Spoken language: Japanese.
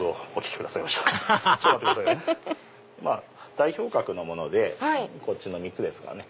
代表格のものでこっちの３つですかね。